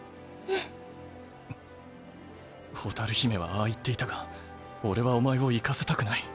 んっ蛍姫はああ言っていたが俺はお前を行かせたくない。